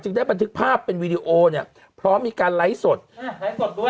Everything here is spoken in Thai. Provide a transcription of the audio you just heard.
ได้บันทึกภาพเป็นวีดีโอเนี่ยพร้อมมีการไลฟ์สดอ่าไลฟ์สดด้วย